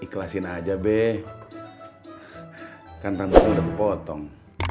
kan rambutnya udah kepotong